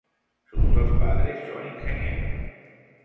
Sus dos padres son ingenieros.